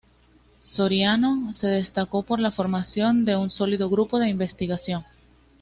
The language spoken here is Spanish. Soriano se destacó por la formación de un sólido grupo de investigación.